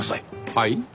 はい？